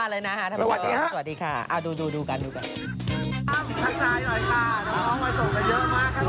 อ่ะงั้นเราลาไปด้วยนะครับ